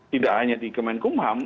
tidak hanya di kemenkumham